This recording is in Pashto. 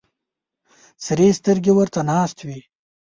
سرې سترګې ورته ناست وي.